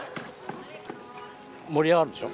盛り上がるでしょ。